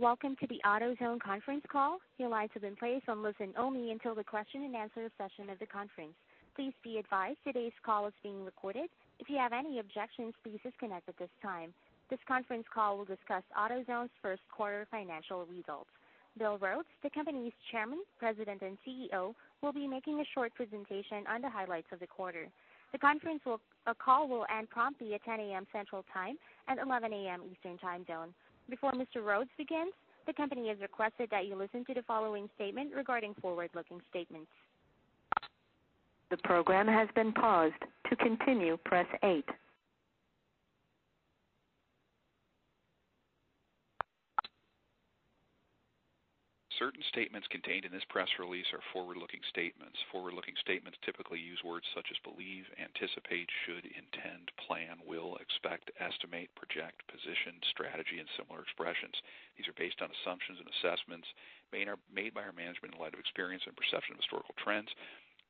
Welcome to the AutoZone conference call. Your lines have been placed on listen-only until the question-and-answer session of the conference. Please be advised today's call is being recorded. If you have any objections, please disconnect at this time. This conference call will discuss AutoZone's first quarter financial results. Bill Rhodes, the company's Chairman, President, and CEO, will be making a short presentation on the highlights of the quarter. The conference call will end promptly at 10:00 A.M. Central Time and 11:00 A.M. Eastern Time Zone. Before Mr. Rhodes begins, the company has requested that you listen to the following statement regarding forward-looking statements. The program has been paused. To continue, press eight. Certain statements contained in this press release are forward-looking statements. Forward-looking statements typically use words such as believe, anticipate, should, intend, plan, will, expect, estimate, project, position, strategy, and similar expressions. These are based on assumptions and assessments made by our management in light of experience and perception of historical trends,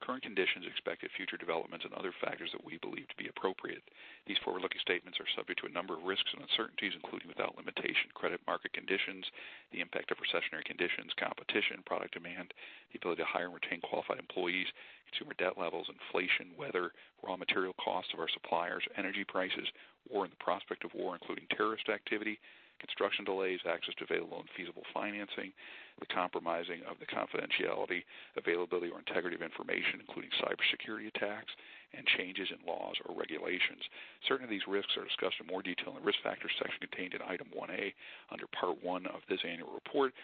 current conditions, expected future developments, and other factors that we believe to be appropriate. These forward-looking statements are subject to a number of risks and uncertainties, including without limitation, credit market conditions, the impact of recessionary conditions, competition, product demand, the ability to hire and retain qualified employees, consumer debt levels, inflation, weather, raw material costs of our suppliers, energy prices, or in the prospect of war, including terrorist activity, construction delays, access to available and feasible financing, the compromising of the confidentiality, availability, or integrity of information, including cybersecurity attacks, and changes in laws or regulations. Certain of these risks are discussed in more detail in the Risk Factors section contained in Item 1A under Part One of this annual report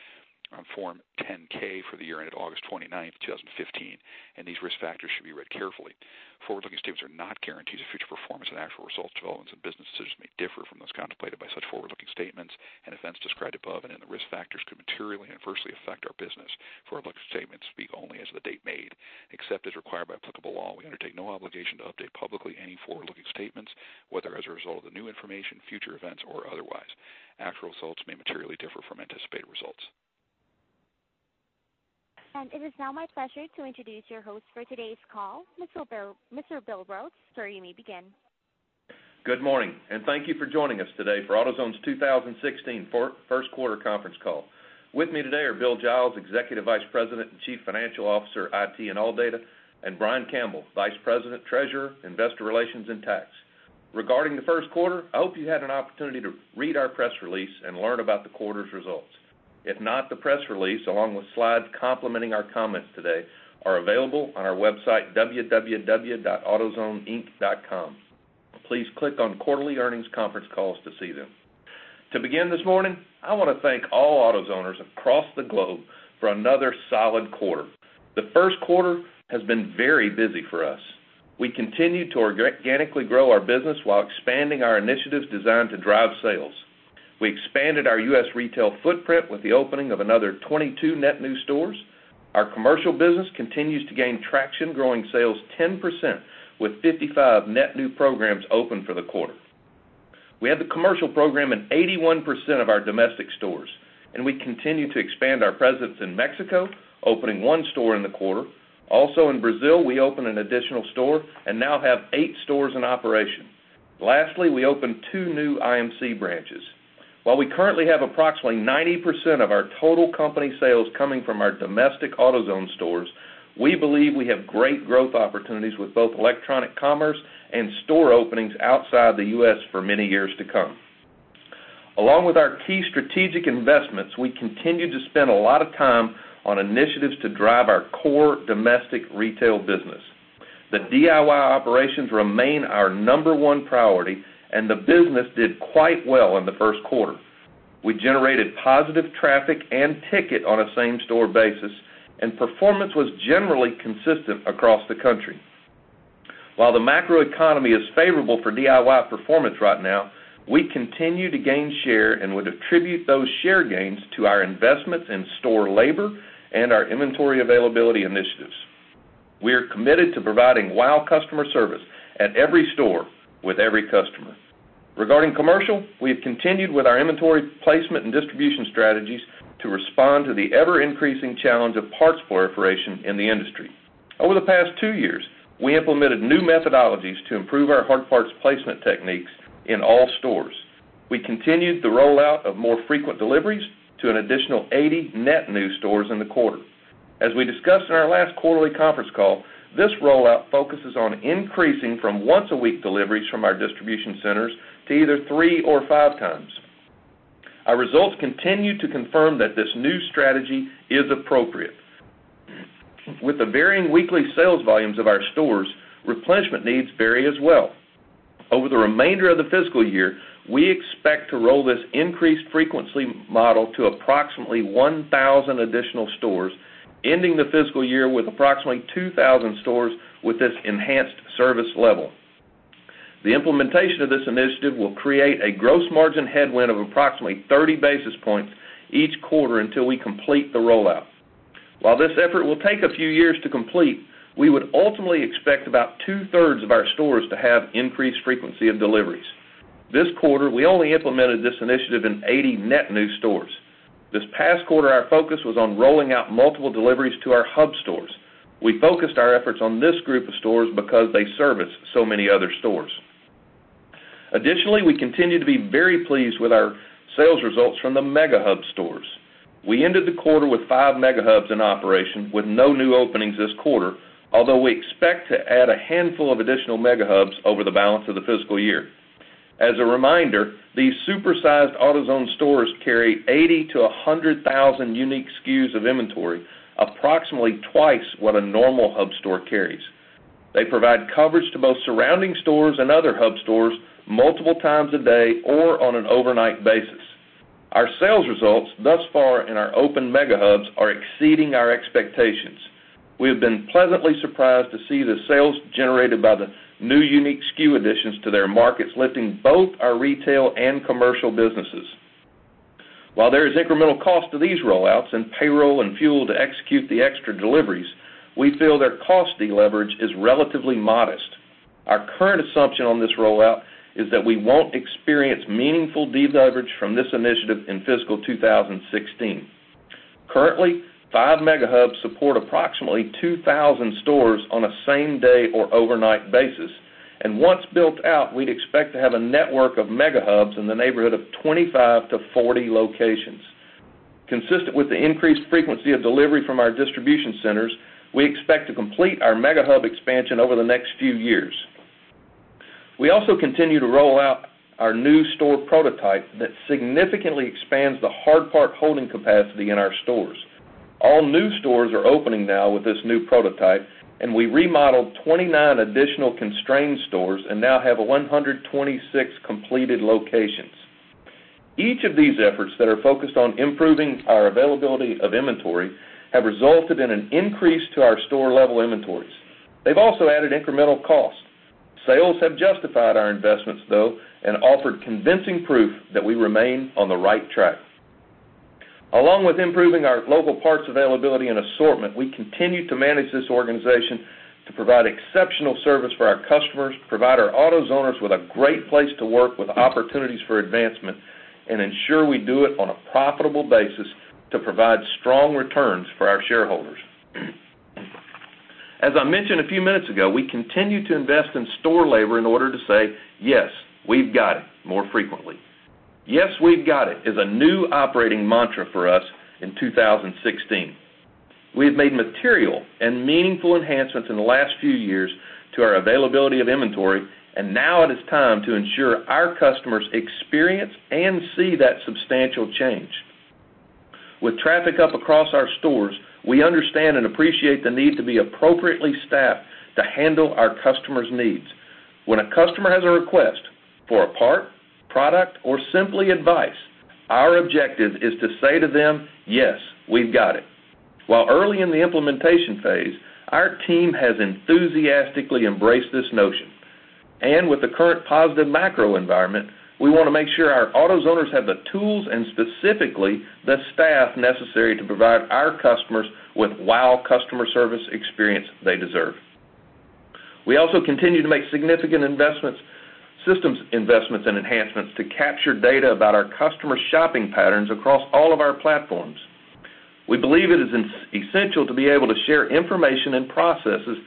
on Form 10-K for the year ended August 29th, 2015. These risk factors should be read carefully. Forward-looking statements are not guarantees of future performance and actual results, developments, and business decisions may differ from those contemplated by such forward-looking statements. Events described above and in the risk factors could materially and adversely affect our business. Forward-looking statements speak only as of the date made. Except as required by applicable law, we undertake no obligation to update publicly any forward-looking statements, whether as a result of new information, future events, or otherwise. Actual results may materially differ from anticipated results. It is now my pleasure to introduce your host for today's call, Mr. Bill Rhodes. Sir, you may begin. Good morning, and thank you for joining us today for AutoZone's 2016 first quarter conference call. With me today are Bill Giles, Executive Vice President and Chief Financial Officer, IT, and ALLDATA, and Brian Campbell, Vice President, Treasurer, Investor Relations, and Tax. Regarding the first quarter, I hope you had an opportunity to read our press release and learn about the quarter's results. If not, the press release, along with slides complementing our comments today, are available on our website, www.autozoneinc.com. Please click on Quarterly Earnings Conference Calls to see them. To begin this morning, I want to thank all AutoZoners across the globe for another solid quarter. The first quarter has been very busy for us. We continue to organically grow our business while expanding our initiatives designed to drive sales. We expanded our U.S. retail footprint with the opening of another 22 net new stores. Our commercial business continues to gain traction, growing sales 10% with 55 net new programs open for the quarter. We have the commercial program in 81% of our domestic stores, and we continue to expand our presence in Mexico, opening one store in the quarter. Also, in Brazil, we opened an additional store and now have eight stores in operation. Lastly, we opened two new IMC branches. While we currently have approximately 90% of our total company sales coming from our domestic AutoZone stores, we believe we have great growth opportunities with both electronic commerce and store openings outside the U.S. for many years to come. Along with our key strategic investments, we continue to spend a lot of time on initiatives to drive our core domestic retail business. The DIY operations remain our number one priority, and the business did quite well in the first quarter. We generated positive traffic and ticket on a same-store basis, and performance was generally consistent across the country. While the macroeconomy is favorable for DIY performance right now, we continue to gain share and would attribute those share gains to our investments in store labor and our inventory availability initiatives. We are committed to providing WOW! Customer Service at every store with every customer. Regarding commercial, we have continued with our inventory placement and distribution strategies to respond to the ever-increasing challenge of parts proliferation in the industry. Over the past two years, we implemented new methodologies to improve our hard parts placement techniques in all stores. We continued the rollout of more frequent deliveries to an additional 80 net new stores in the quarter. As we discussed in our last quarterly conference call, this rollout focuses on increasing from once-a-week deliveries from our distribution centers to either three or five times. Our results continue to confirm that this new strategy is appropriate. With the varying weekly sales volumes of our stores, replenishment needs vary as well. Over the remainder of the fiscal year, we expect to roll this increased frequency model to approximately 1,000 additional stores, ending the fiscal year with approximately 2,000 stores with this enhanced service level. The implementation of this initiative will create a gross margin headwind of approximately 30 basis points each quarter until we complete the rollout. While this effort will take a few years to complete, we would ultimately expect about two-thirds of our stores to have increased frequency of deliveries. This quarter, we only implemented this initiative in 80 net new stores. This past quarter, our focus was on rolling out multiple deliveries to our Hub Stores. We focused our efforts on this group of stores because they service so many other stores. Additionally, we continue to be very pleased with our sales results from the Mega Hub stores. We ended the quarter with five Mega Hubs in operation with no new openings this quarter, although we expect to add a handful of additional Mega Hubs over the balance of the fiscal year. As a reminder, these super-sized AutoZone stores carry 80,000 to 100,000 unique SKUs of inventory, approximately twice what a normal Hub Store carries. They provide coverage to both surrounding stores and other Hub Stores multiple times a day or on an overnight basis. Our sales results thus far in our open Mega Hubs are exceeding our expectations. We have been pleasantly surprised to see the sales generated by the new unique SKU additions to their markets, lifting both our retail and commercial businesses. While there is incremental cost to these rollouts in payroll and fuel to execute the extra deliveries, we feel their cost deleverage is relatively modest. Our current assumption on this rollout is that we won't experience meaningful deleverage from this initiative in fiscal 2016. Currently, five Mega Hubs support approximately 2,000 stores on a same-day or overnight basis, and once built out, we'd expect to have a network of Mega Hubs in the neighborhood of 25 to 40 locations. Consistent with the increased frequency of delivery from our distribution centers, we expect to complete our Mega Hub expansion over the next few years. We also continue to roll out our new store prototype that significantly expands the hard part holding capacity in our stores. All new stores are opening now with this new prototype. We remodeled 29 additional constrained stores and now have 126 completed locations. Each of these efforts that are focused on improving our availability of inventory have resulted in an increase to our store-level inventories. They've also added incremental costs. Sales have justified our investments, though, and offered convincing proof that we remain on the right track. Along with improving our local parts availability and assortment, we continue to manage this organization to provide exceptional service for our customers, provide our AutoZoners with a great place to work with opportunities for advancement, and ensure we do it on a profitable basis to provide strong returns for our shareholders. As I mentioned a few minutes ago, we continue to invest in store labor in order to say, "Yes, we've got it," more frequently. Yes, we've got it" is a new operating mantra for us in 2016. We have made material and meaningful enhancements in the last few years to our availability of inventory. Now it is time to ensure our customers experience and see that substantial change. With traffic up across our stores, we understand and appreciate the need to be appropriately staffed to handle our customers' needs. When a customer has a request for a part, product, or simply advice, our objective is to say to them, "Yes, we've got it." While early in the implementation phase, our team has enthusiastically embraced this notion. With the current positive macro environment, we want to make sure our AutoZoners have the tools and specifically the staff necessary to provide our customers with WOW! Customer Service experience they deserve. We also continue to make significant systems investments and enhancements to capture data about our customers' shopping patterns across all of our platforms. We believe it is essential to be able to share information and processes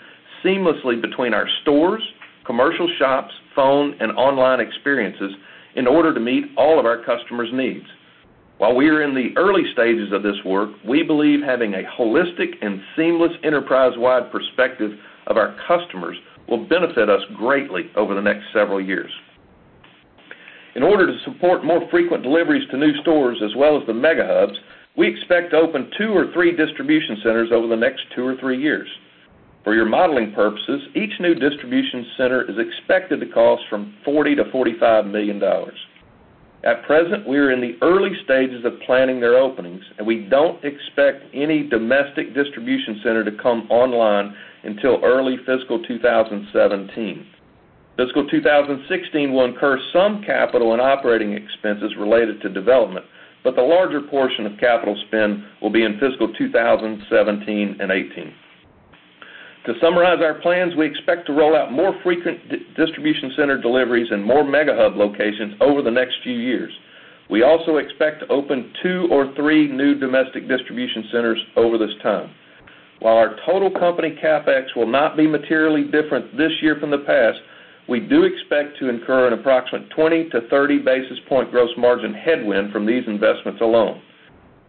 seamlessly between our stores, commercial shops, phone, and online experiences in order to meet all of our customers' needs. While we are in the early stages of this work, we believe having a holistic and seamless enterprise-wide perspective of our customers will benefit us greatly over the next several years. In order to support more frequent deliveries to new stores as well as the Mega Hubs, we expect to open two or three distribution centers over the next two or three years. For your modeling purposes, each new distribution center is expected to cost from $40 million-$45 million. At present, we are in the early stages of planning their openings. We don't expect any domestic distribution center to come online until early fiscal 2017. Fiscal 2016 will incur some capital and operating expenses related to development, but the larger portion of capital spend will be in fiscal 2017 and 2018. To summarize our plans, we expect to roll out more frequent distribution center deliveries and more Mega Hub locations over the next few years. We also expect to open two or three new domestic distribution centers over this time. While our total company CapEx will not be materially different this year from the past, we do expect to incur an approximate 20-30 basis point gross margin headwind from these investments alone.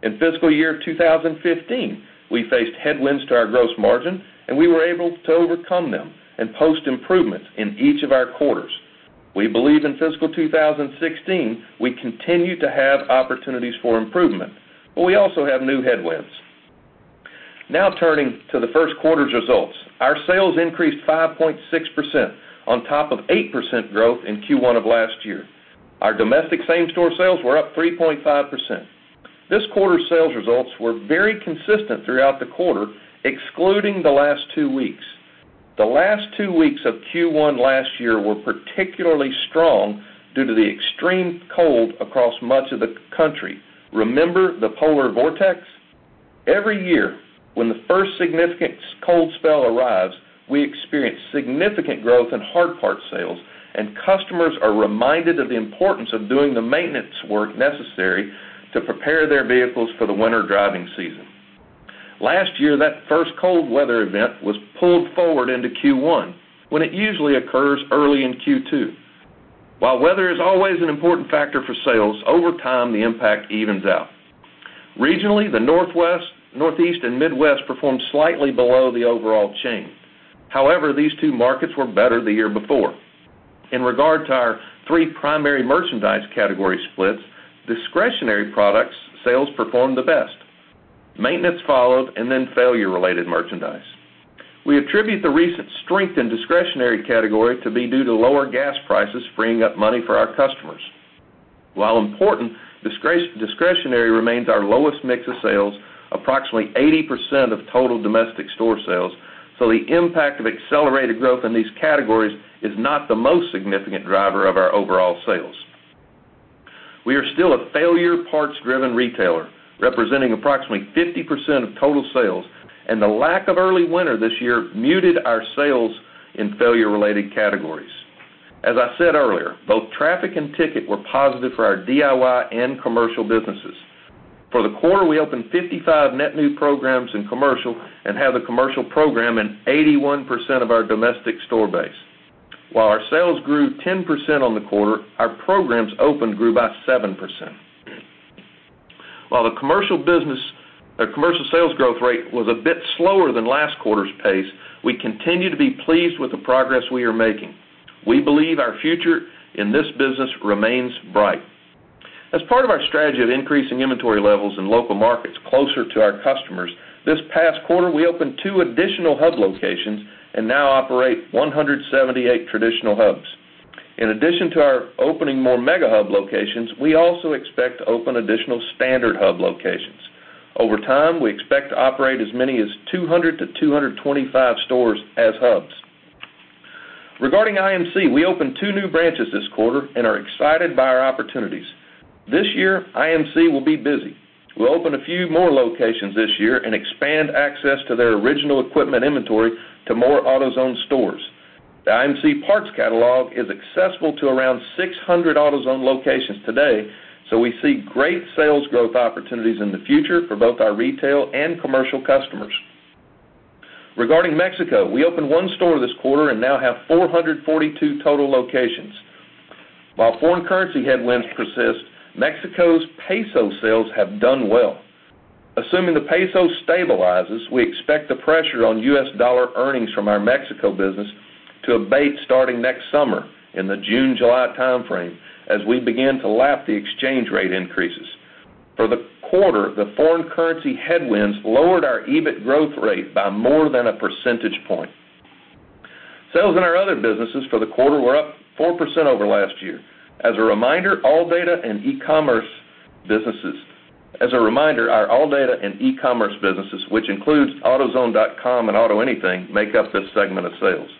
In fiscal year 2015, we faced headwinds to our gross margin. We were able to overcome them and post improvements in each of our quarters. We believe in fiscal 2016, we continue to have opportunities for improvement. We also have new headwinds. Now turning to the first quarter's results. Our sales increased 5.6% on top of 8% growth in Q1 of last year. Our domestic same-store sales were up 3.5%. This quarter's sales results were very consistent throughout the quarter, excluding the last two weeks. The last two weeks of Q1 last year were particularly strong due to the extreme cold across much of the country. Remember the polar vortex? Every year when the first significant cold spell arrives, we experience significant growth in hard parts sales, and customers are reminded of the importance of doing the maintenance work necessary to prepare their vehicles for the winter driving season. Last year, that first cold weather event was pulled forward into Q1, when it usually occurs early in Q2. While weather is always an important factor for sales, over time, the impact evens out. Regionally, the Northwest, Northeast, and Midwest performed slightly below the overall chain. However, these 2 markets were better the year before. In regard to our 3 primary merchandise category splits, discretionary products sales performed the best. Maintenance followed, and then failure-related merchandise. We attribute the recent strength of discretionary category to be due to lower gas prices freeing up money for our customers. While important, discretionary remains our lowest mix of sales, approximately 80% of total domestic store sales, so the impact of accelerated growth in these categories is not the most significant driver of our overall sales. We are still a failure parts-driven retailer, representing approximately 50% of total sales, and the lack of early winter this year muted our sales in failure-related categories. As I said earlier, both traffic and ticket were positive for our DIY and commercial businesses. For the quarter, we opened 55 net new programs in commercial and have a commercial program in 81% of our domestic store base. While our sales grew 10% on the quarter, our programs opened grew by 7%. While the commercial sales growth rate was a bit slower than last quarter's pace, we continue to be pleased with the progress we are making. We believe our future in this business remains bright. As part of our strategy of increasing inventory levels in local markets closer to our customers, this past quarter, we opened 2 additional Hub locations and now operate 178 traditional Hubs. In addition to our opening more Mega Hub locations, we also expect to open additional standard Hub locations. Over time, we expect to operate as many as 200-225 stores as Hubs. Regarding IMC, we opened 2 new branches this quarter and are excited by our opportunities. This year, IMC will be busy. We'll open a few more locations this year and expand access to their original equipment inventory to more AutoZone stores. The IMC parts catalog is accessible to around 600 AutoZone locations today, so we see great sales growth opportunities in the future for both our retail and commercial customers. Regarding Mexico, we opened 1 store this quarter and now have 442 total locations. While foreign currency headwinds persist, Mexico's peso sales have done well. Assuming the peso stabilizes, we expect the pressure on US dollar earnings from our Mexico business to abate starting next summer in the June-July timeframe as we begin to lap the exchange rate increases. For the quarter, the foreign currency headwinds lowered our EBIT growth rate by more than a percentage point. Sales in our other businesses for the quarter were up 4% over last year. As a reminder, our ALLDATA and e-commerce businesses, which includes autozone.com and AutoAnything, make up this segment of sales.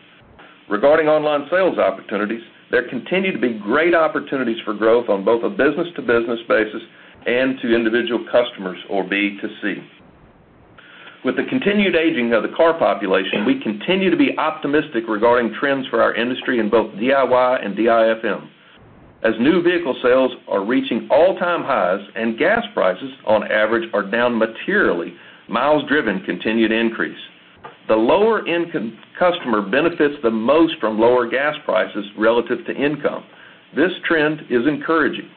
Regarding online sales opportunities, there continue to be great opportunities for growth on both a business-to-business basis and to individual customers or B2C. With the continued aging of the car population, we continue to be optimistic regarding trends for our industry in both DIY and DIFM. As new vehicle sales are reaching all-time highs and gas prices, on average, are down materially, miles driven continue to increase. The lower-income customer benefits the most from lower gas prices relative to income. This trend is encouraging.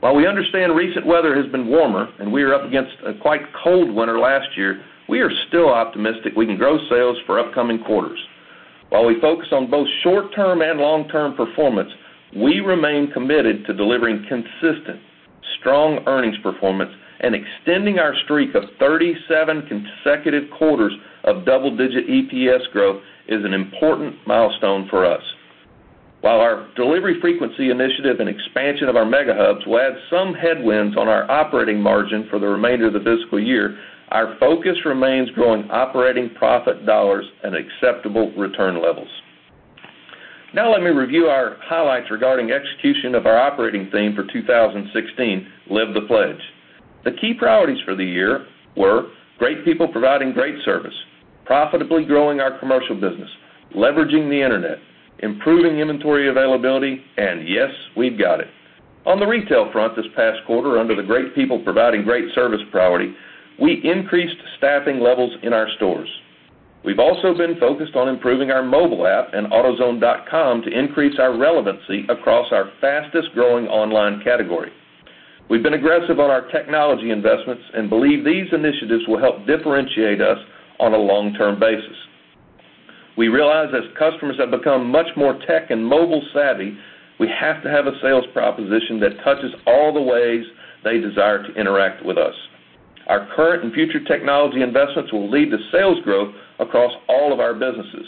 While we understand recent weather has been warmer and we are up against a quite cold winter last year, we are still optimistic we can grow sales for upcoming quarters. While we focus on both short-term and long-term performance, we remain committed to delivering consistent, strong earnings performance, and extending our streak of 37 consecutive quarters of double-digit EPS growth is an important milestone for us. While our delivery frequency initiative and expansion of our Mega Hubs will add some headwinds on our operating margin for the remainder of the fiscal year, our focus remains growing operating profit dollars at acceptable return levels. Let me review our highlights regarding execution of our operating theme for 2016, Live the Pledge. The key priorities for the year were great people providing great service, profitably growing our commercial business, leveraging the internet, improving inventory availability, and Yes, we've got it. On the retail front this past quarter under the great people providing great service priority, we increased staffing levels in our stores. We've also been focused on improving our mobile app and autozone.com to increase our relevancy across our fastest-growing online category. We've been aggressive on our technology investments and believe these initiatives will help differentiate us on a long-term basis. We realize as customers have become much more tech and mobile savvy, we have to have a sales proposition that touches all the ways they desire to interact with us. Our current and future technology investments will lead to sales growth across all of our businesses.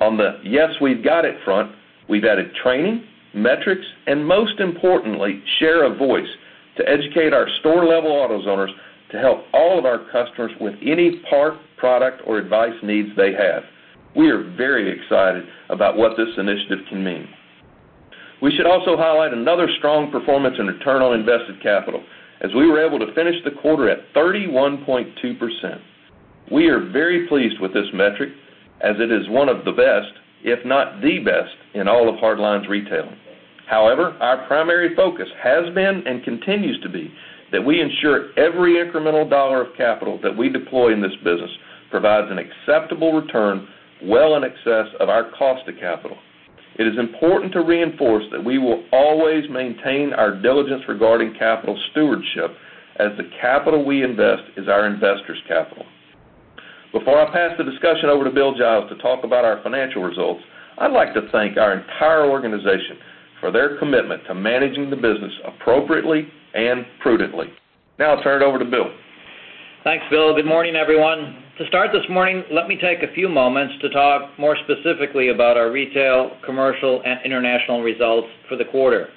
On the Yes, we've got it front, we've added training, metrics, and most importantly, share of voice to educate our store-level AutoZoners to help all of our customers with any part, product, or advice needs they have. We are very excited about what this initiative can mean. We should also highlight another strong performance in internal invested capital, as we were able to finish the quarter at 31.2%. We are very pleased with this metric, as it is one of the best, if not the best, in all of hard lines retailing. Our primary focus has been and continues to be that we ensure every incremental dollar of capital that we deploy in this business provides an acceptable return well in excess of our cost of capital. It is important to reinforce that we will always maintain our diligence regarding capital stewardship, as the capital we invest is our investors' capital. Before I pass the discussion over to Bill Giles to talk about our financial results, I'd like to thank our entire organization for their commitment to managing the business appropriately and prudently. I'll turn it over to Bill. Thanks, Bill. Good morning, everyone. To start this morning, let me take a few moments to talk more specifically about our retail, commercial, and international results for the quarter.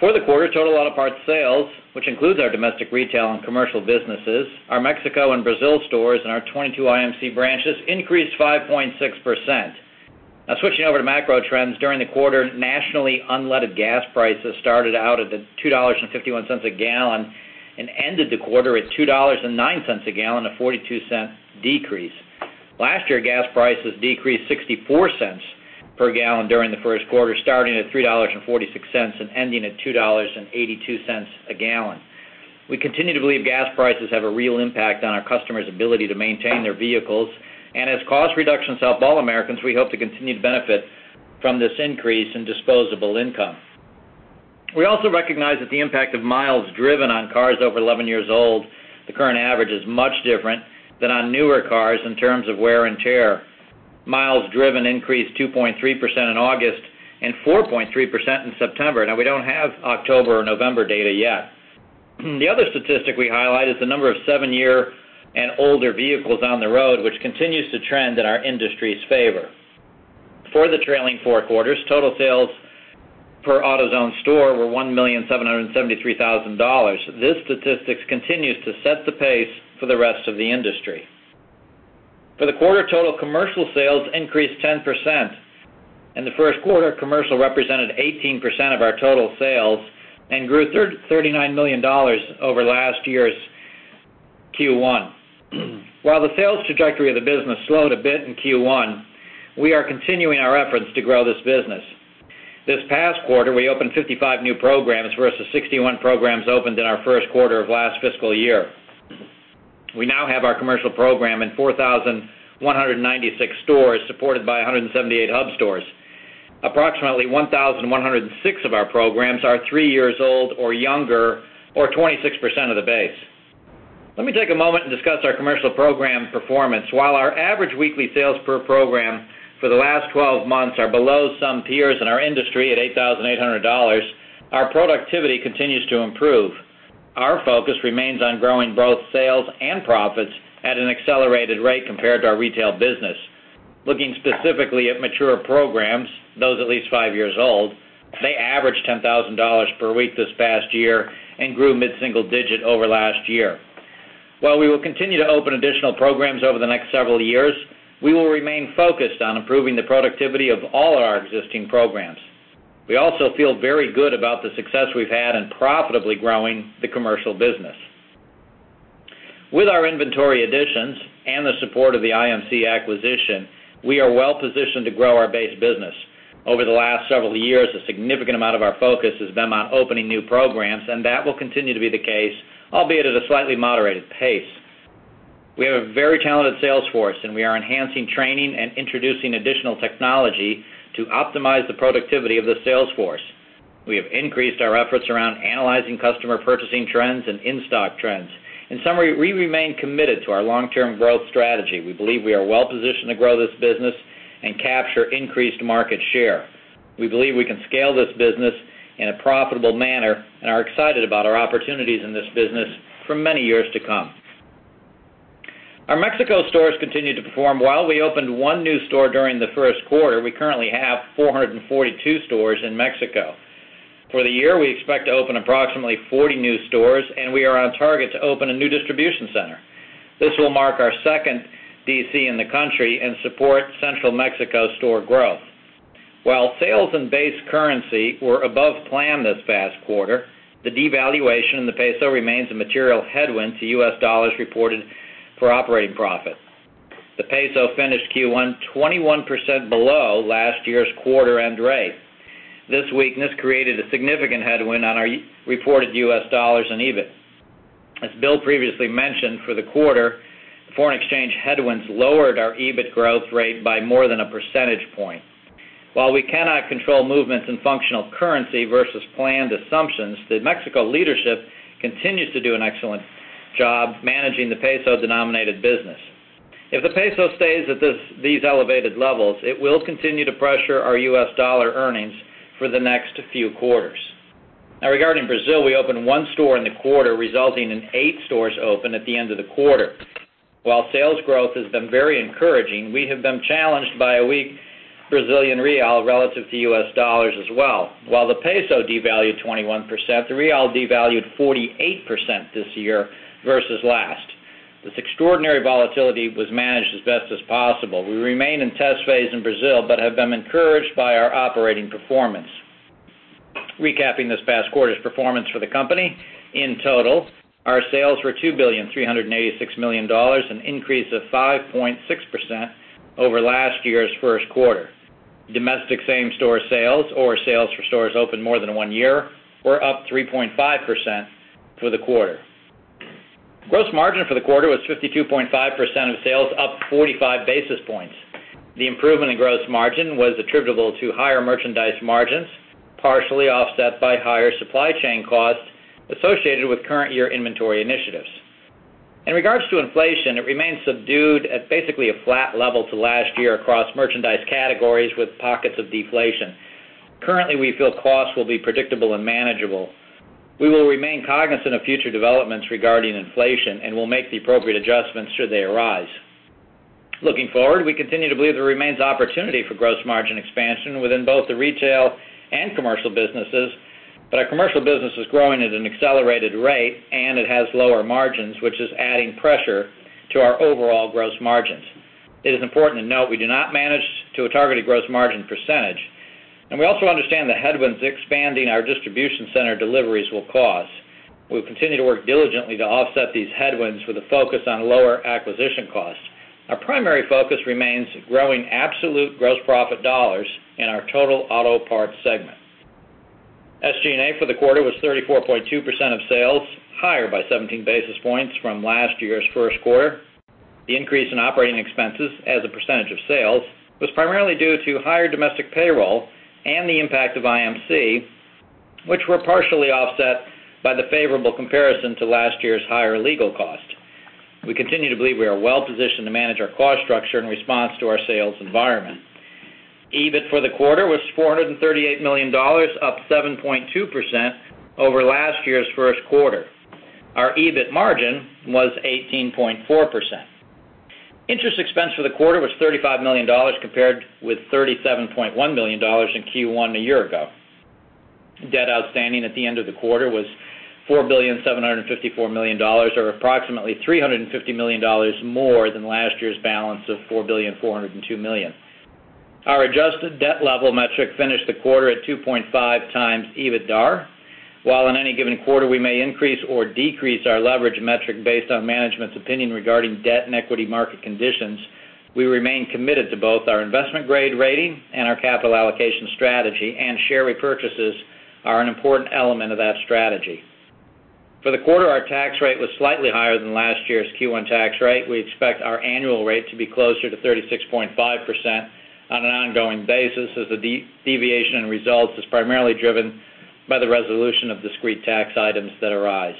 For the quarter, total auto parts sales, which includes our domestic retail and commercial businesses, our Mexico and Brazil stores, and our 22 IMC branches, increased 5.6%. Switching over to macro trends. During the quarter, nationally, unleaded gas prices started out at $2.51 a gallon and ended the quarter at $2.09 a gallon, a $0.42 decrease. Last year, gas prices decreased $0.64 per gallon during the first quarter, starting at $3.46 and ending at $2.82 a gallon. We continue to believe gas prices have a real impact on our customers' ability to maintain their vehicles, and as cost reductions help all Americans, we hope to continue to benefit from this increase in disposable income. We also recognize that the impact of miles driven on cars over 11 years old, the current average is much different than on newer cars in terms of wear and tear. Miles driven increased 2.3% in August and 4.3% in September. We don't have October or November data yet. The other statistic we highlight is the number of seven-year and older vehicles on the road, which continues to trend in our industry's favor. For the trailing four quarters, total sales per AutoZone store were $1,773,000. This statistic continues to set the pace for the rest of the industry. For the quarter, total commercial sales increased 10%. In the first quarter, commercial represented 18% of our total sales and grew $39 million over last year's Q1. While the sales trajectory of the business slowed a bit in Q1, we are continuing our efforts to grow this business. This past quarter, we opened 55 new programs, versus 61 programs opened in our first quarter of last fiscal year. We now have our commercial program in 4,196 stores, supported by 178 Hub Stores. Approximately 1,106 of our programs are three years old or younger, or 26% of the base. Let me take a moment and discuss our commercial program performance. While our average weekly sales per program for the last 12 months are below some peers in our industry at $8,800, our productivity continues to improve. Our focus remains on growing both sales and profits at an accelerated rate compared to our retail business. Looking specifically at mature programs, those at least five years old, they averaged $10,000 per week this past year and grew mid-single digit over last year. While we will continue to open additional programs over the next several years, we will remain focused on improving the productivity of all our existing programs. We also feel very good about the success we've had in profitably growing the commercial business. With our inventory additions and the support of the IMC acquisition, we are well-positioned to grow our base business. Over the last several years, a significant amount of our focus has been on opening new programs, and that will continue to be the case, albeit at a slightly moderated pace. We have a very talented sales force, and we are enhancing training and introducing additional technology to optimize the productivity of the sales force. We have increased our efforts around analyzing customer purchasing trends and in-stock trends. In summary, we remain committed to our long-term growth strategy. We believe we are well-positioned to grow this business and capture increased market share. We believe we can scale this business in a profitable manner and are excited about our opportunities in this business for many years to come. Our Mexico stores continue to perform. While we opened one new store during the first quarter, we currently have 442 stores in Mexico. For the year, we expect to open approximately 40 new stores, and we are on target to open a new distribution center. This will mark our second DC in the country and support central Mexico store growth. While sales in base currency were above plan this past quarter, the devaluation in the peso remains a material headwind to US dollars reported for operating profit. The peso finished Q1 21% below last year's quarter-end rate. This weakness created a significant headwind on our reported US dollars and EBIT. As Bill previously mentioned, for the quarter, foreign exchange headwinds lowered our EBIT growth rate by more than a percentage point. While we cannot control movements in functional currency versus planned assumptions, the Mexico leadership continues to do an excellent job managing the peso-denominated business. If the peso stays at these elevated levels, it will continue to pressure our US dollar earnings for the next few quarters. Regarding Brazil, we opened one store in the quarter, resulting in eight stores open at the end of the quarter. While sales growth has been very encouraging, we have been challenged by a weak Brazilian real relative to US dollars as well. While the peso devalued 21%, the real devalued 48% this year versus last. This extraordinary volatility was managed as best as possible. We remain in test phase in Brazil but have been encouraged by our operating performance. Recapping this past quarter's performance for the company, in total, our sales were $2.386 billion, an increase of 5.6% over last year's first quarter. Domestic same-store sales or sales for stores open more than one year were up 3.5% for the quarter. Gross margin for the quarter was 52.5% of sales, up 45 basis points. The improvement in gross margin was attributable to higher merchandise margins, partially offset by higher supply chain costs associated with current year inventory initiatives. In regards to inflation, it remains subdued at basically a flat level to last year across merchandise categories with pockets of deflation. Currently, we feel costs will be predictable and manageable. We will remain cognizant of future developments regarding inflation and will make the appropriate adjustments should they arise. Looking forward, we continue to believe there remains opportunity for gross margin expansion within both the retail and commercial businesses. Our commercial business is growing at an accelerated rate, and it has lower margins, which is adding pressure to our overall gross margins. It is important to note we do not manage to a targeted gross margin percentage. We also understand the headwinds expanding our distribution center deliveries will cause. We'll continue to work diligently to offset these headwinds with a focus on lower acquisition costs. Our primary focus remains growing absolute gross profit dollars in our total auto parts segment. SG&A for the quarter was 34.2% of sales, higher by 17 basis points from last year's first quarter. The increase in operating expenses as a percentage of sales was primarily due to higher domestic payroll and the impact of IMC, which were partially offset by the favorable comparison to last year's higher legal cost. We continue to believe we are well-positioned to manage our cost structure in response to our sales environment. EBIT for the quarter was $438 million, up 7.2% over last year's first quarter. Our EBIT margin was 18.4%. Interest expense for the quarter was $35 million, compared with $37.1 million in Q1 a year ago. Debt outstanding at the end of the quarter was $4,754,000,000, or approximately $350 million more than last year's balance of $4,402 million. Our adjusted debt level metric finished the quarter at 2.5 times EBITDAR. While in any given quarter we may increase or decrease our leverage metric based on management's opinion regarding debt and equity market conditions, we remain committed to both our investment-grade rating and our capital allocation strategy. Share repurchases are an important element of that strategy. For the quarter, our tax rate was slightly higher than last year's Q1 tax rate. We expect our annual rate to be closer to 36.5% on an ongoing basis, as the deviation in results is primarily driven by the resolution of discrete tax items that arise.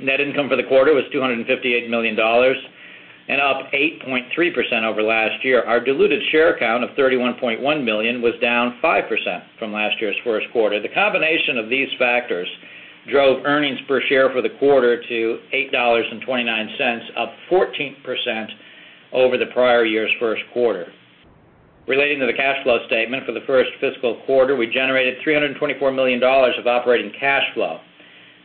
Net income for the quarter was $258 million up 8.3% over last year. Our diluted share count of 31.1 million was down 5% from last year's first quarter. The combination of these factors drove earnings per share for the quarter to $8.29, up 14% over the prior year's first quarter. Relating to the cash flow statement for the first fiscal quarter, we generated $324 million of operating cash flow.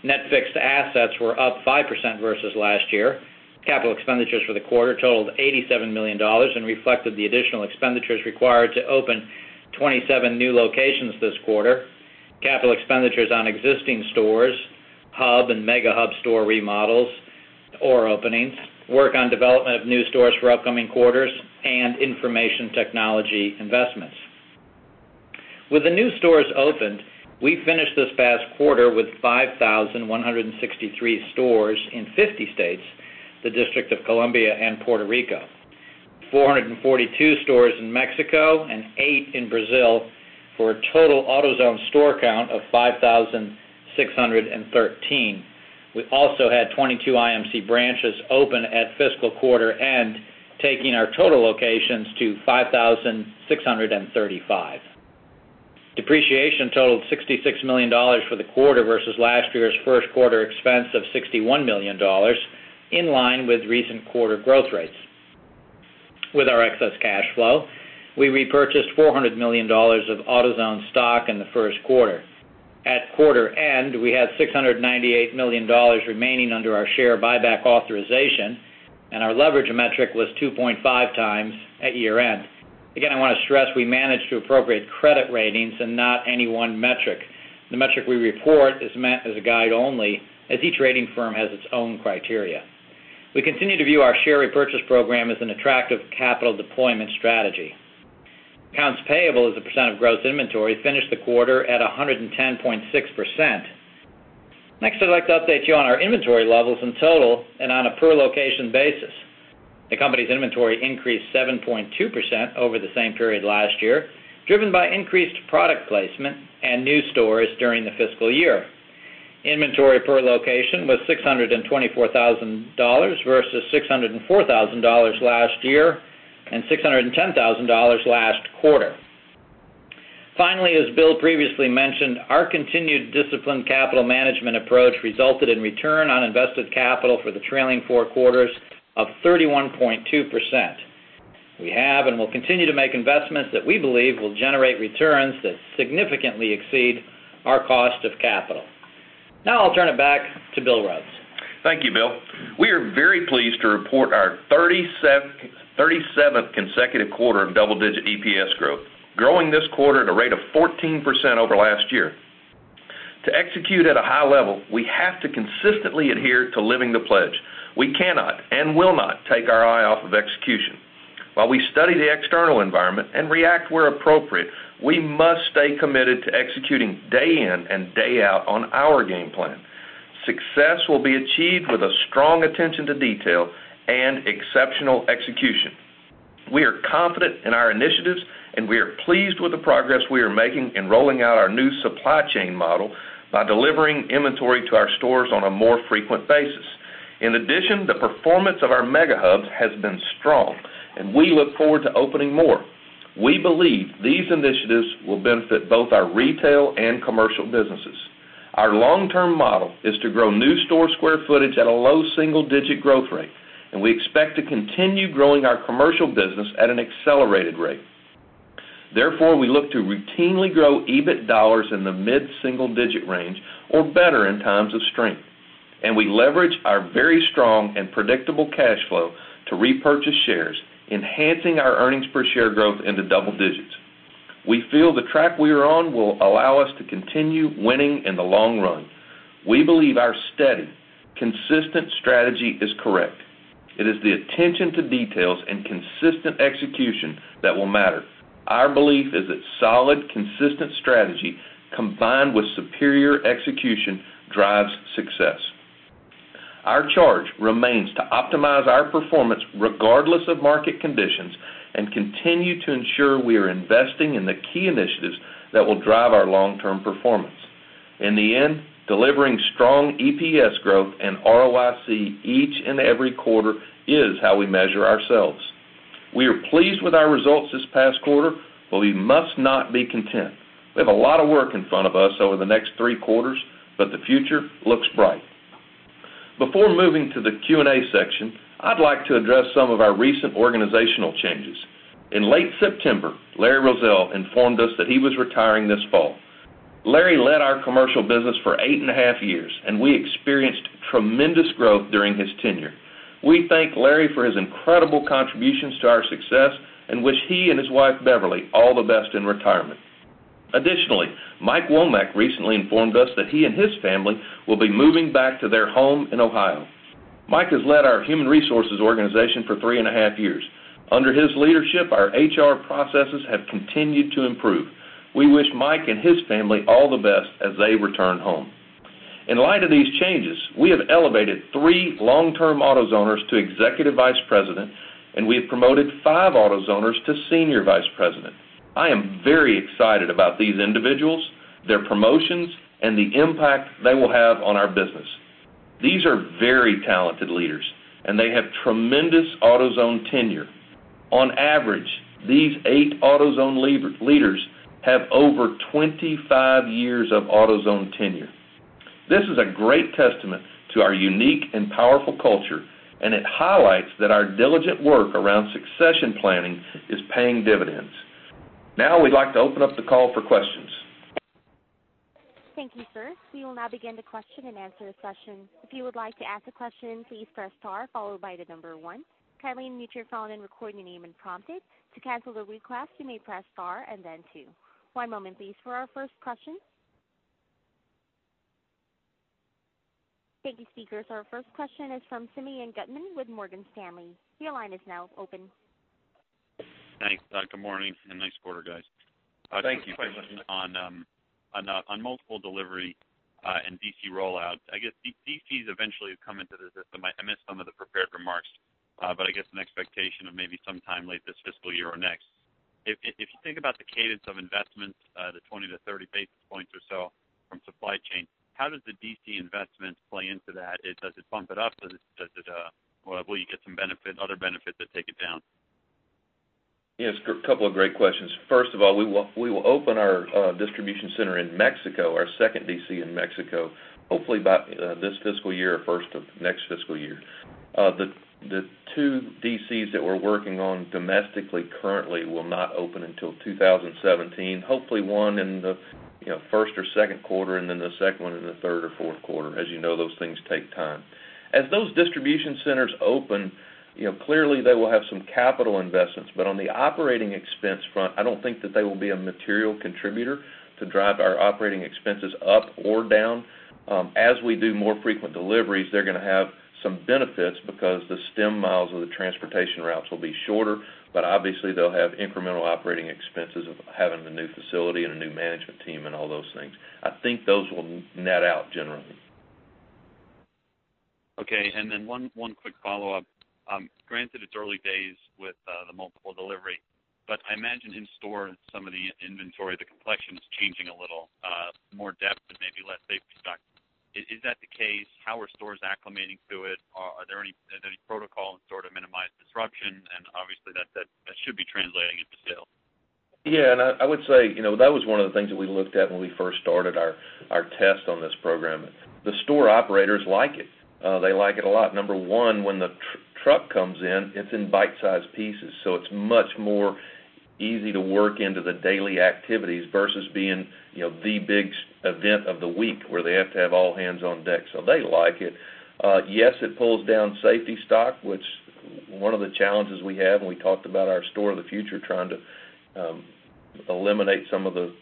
Net fixed assets were up 5% versus last year. Capital expenditures for the quarter totaled $87 million reflected the additional expenditures required to open 27 new locations this quarter. Capital expenditures on existing stores, Hub and Mega Hub store remodels or openings, work on development of new stores for upcoming quarters, Information technology investments. With the new stores opened, we finished this past quarter with 5,163 stores in 50 states, the District of Columbia and Puerto Rico, 442 stores in Mexico and eight in Brazil, for a total AutoZone store count of 5,613. We also had 22 IMC branches open at fiscal quarter end, taking our total locations to 5,635. Depreciation totaled $66 million for the quarter versus last year's first-quarter expense of $61 million, in line with recent quarter growth rates. With our excess cash flow, we repurchased $400 million of AutoZone stock in the first quarter. At quarter end, we had $698 million remaining under our share buyback authorization. Our leverage metric was 2.5 times at year-end. Again, I want to stress we manage to appropriate credit ratings and not any one metric. The metric we report is meant as a guide only, as each rating firm has its own criteria. We continue to view our share repurchase program as an attractive capital deployment strategy. Accounts payable as a % of gross inventory finished the quarter at 110.6%. Next, I'd like to update you on our inventory levels in total and on a per-location basis. The company's inventory increased 7.2% over the same period last year, driven by increased product placement and new stores during the fiscal year. Inventory per location was $624,000 versus $604,000 last year and $610,000 last quarter. Finally, as Bill previously mentioned, our continued disciplined capital management approach resulted in return on invested capital for the trailing four quarters of 31.2%. We have and will continue to make investments that we believe will generate returns that significantly exceed our cost of capital. Now I'll turn it back to Bill Rhodes. Thank you, Bill. We are very pleased to report our 37th consecutive quarter of double-digit EPS growth, growing this quarter at a rate of 14% over last year. To execute at a high level, we have to consistently adhere to Live the Pledge. We cannot and will not take our eye off of execution. While we study the external environment and react where appropriate, we must stay committed to executing day in and day out on our game plan. Success will be achieved with a strong attention to detail and exceptional execution. We are confident in our initiatives, and we are pleased with the progress we are making in rolling out our new supply chain model by delivering inventory to our stores on a more frequent basis. In addition, the performance of our Mega Hubs has been strong, and we look forward to opening more. We believe these initiatives will benefit both our retail and commercial businesses. Our long-term model is to grow new store square footage at a low single-digit growth rate, and we expect to continue growing our commercial business at an accelerated rate. Therefore, we look to routinely grow EBIT dollars in the mid-single digit range or better in times of strength. We leverage our very strong and predictable cash flow to repurchase shares, enhancing our earnings per share growth into double digits. We feel the track we are on will allow us to continue winning in the long run. We believe our steady, consistent strategy is correct. It is the attention to details and consistent execution that will matter. Our belief is that solid, consistent strategy combined with superior execution drives success. Our charge remains to optimize our performance regardless of market conditions and continue to ensure we are investing in the key initiatives that will drive our long-term performance. In the end, delivering strong EPS growth and ROIC each and every quarter is how we measure ourselves. We are pleased with our results this past quarter, but we must not be content. We have a lot of work in front of us over the next three quarters, but the future looks bright. Before moving to the Q&A section, I'd like to address some of our recent organizational changes. In late September, Larry Roesel informed us that he was retiring this fall. Larry led our commercial business for eight and a half years, and we experienced tremendous growth during his tenure. We thank Larry for his incredible contributions to our success and wish he and his wife, Beverly, all the best in retirement. Additionally, Mike Womack recently informed us that he and his family will be moving back to their home in Ohio. Mike has led our human resources organization for three and a half years. Under his leadership, our HR processes have continued to improve. We wish Mike and his family all the best as they return home. In light of these changes, we have elevated three long-term AutoZoners to Executive Vice President, and we have promoted five AutoZoners to Senior Vice President. I am very excited about these individuals, their promotions, and the impact they will have on our business. These are very talented leaders, and they have tremendous AutoZone tenure. On average, these eight AutoZone leaders have over 25 years of AutoZone tenure. This is a great testament to our unique and powerful culture, it highlights that our diligent work around succession planning is paying dividends. Now we'd like to open up the call for questions. Thank you, sir. We will now begin the question and answer session. If you would like to ask a question, please press star followed by the number one. To unmute your phone and record your name when prompted. To cancel the request, you may press star and then two. One moment please for our first question. Thank you, speakers. Our first question is from Simeon Gutman with Morgan Stanley. Your line is now open. Thanks. Good morning, nice quarter, guys. Thanks. On multiple delivery and DC rollout, I guess DC is eventually coming to the system. I missed some of the prepared remarks. I guess an expectation of maybe sometime late this fiscal year or next. If you think about the cadence of investments, the 20-30 basis points or so from supply chain, how does the DC investment play into that? Does it bump it up? Will you get some other benefit that take it down? Yes, couple of great questions. First of all, we will open our distribution center in Mexico, our second DC in Mexico, hopefully by this fiscal year or first of next fiscal year. The two DCs that we're working on domestically currently will not open until 2017, hopefully one in the first or second quarter, and the second one in the third or fourth quarter. As you know, those things take time. As those distribution centers open, clearly they will have some capital investments. On the operating expense front, I don't think that they will be a material contributor to drive our operating expenses up or down. As we do more frequent deliveries, they're going to have some benefits because the stem miles of the transportation routes will be shorter, but obviously they'll have incremental operating expenses of having a new facility and a new management team and all those things. I think those will net out generally. Okay, one quick follow-up. Granted, it's early days with the multiple delivery, but I imagine in store some of the inventory, the complexion is changing a little, more depth and maybe less safety stock. Is that the case? How are stores acclimating to it? Are there any protocols in store to minimize disruption? Obviously that should be translating into sales. Yeah, I would say, that was one of the things that we looked at when we first started our test on this program. The store operators like it. They like it a lot. Number one, when the truck comes in, it's in bite-sized pieces, so it's much more easy to work into the daily activities versus being the big event of the week where they have to have all hands on deck. They like it. Yes, it pulls down safety stock, which one of the challenges we have, and we talked about our store of the future trying to eliminate some of the